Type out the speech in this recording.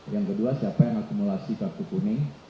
yang kedua siapa yang akumulasi kartu kuning